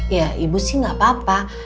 ya ibu sih nggak apa apa